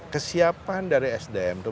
kesiapan dari sdm itu